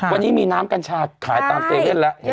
วันนี้มีน้ำกัญชาขายตาม๗๑๑แล้ว